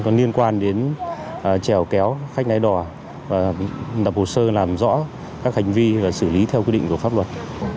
nhiên quan đến treo kéo khách ngay đò đập hồ sơ làm rõ các hành vi và xử lý theo quy định của pháp luật